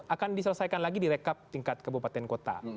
akan diselesaikan lagi di rekap tingkat kebupaten kota